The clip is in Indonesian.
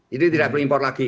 jadi tidak perlu impor lagi